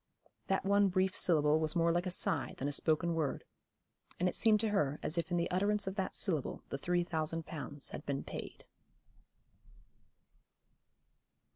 That one brief syllable was more like a sigh than a spoken word, and it seemed to her as if in the utterance of that syllable the three thousand pounds had been paid.